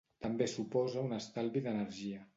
També suposa un estalvi d'energia.